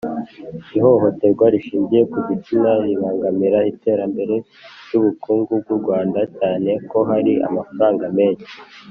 Ihohoterwa rishingiye ku gitsina ribangamira iterambere ry ubukungu bw u Rwanda cyane ko hari amafaranga menshi